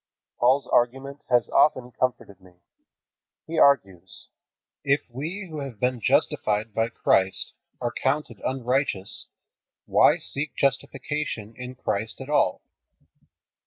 Paul's argument has often comforted me. He argues: "If we who have been justified by Christ are counted unrighteous, why seek justification in Christ at all?